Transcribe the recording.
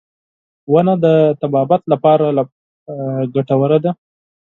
• ونه د طبابت لپاره ګټوره ده.